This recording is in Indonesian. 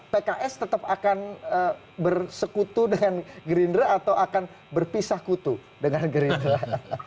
pks tetap akan bersekutu dengan gerindra atau akan berpisah kutu dengan gerindra